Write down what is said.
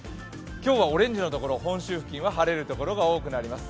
今日はオレンジの所、本州付近は晴れる所が多くなります。